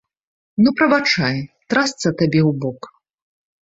Ну, прабачай, трасца табе ў бок!